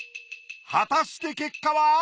果たして結果は！？